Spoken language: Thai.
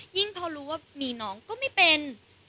ยิ่งเพราะรู้ว่ามีน้องก็ไม่เป็น